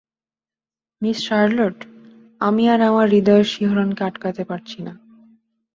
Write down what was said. Miss Charlotte, আমি আর আমার হৃদয়ের শিহরণকে আটকাতে পারছি না।